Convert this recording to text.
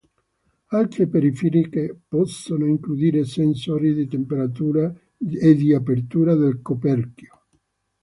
Altre periferiche possono includere sensori di temperatura e di apertura del coperchio.